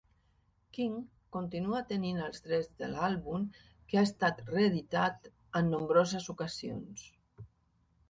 King continua tenint els drets de l'àlbum, que ha estat reeditat en nombroses ocasions.